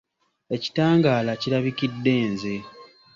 Ekitangaala kirabikidde nze.